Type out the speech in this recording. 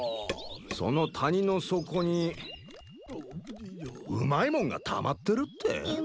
その谷の底にうまいもんがたまってるって？